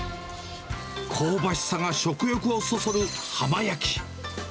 香ばしさが食欲をそそる浜焼き。